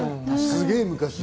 すげぇ昔。